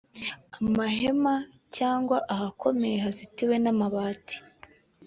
amahema cyangwa ahakomeye hazitiwe n’amabati